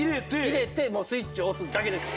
入れてもうスイッチ押すだけです。